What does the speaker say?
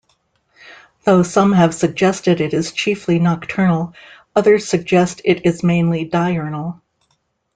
Though some have suggested it is chiefly nocturnal, others suggest it is mainly diurnal.